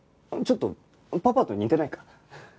ちょっとパパと似てないか？